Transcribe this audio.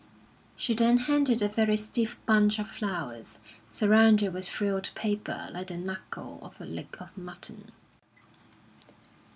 She then handed a very stiff bunch of flowers, surrounded with frilled paper like the knuckle of a leg of mutton.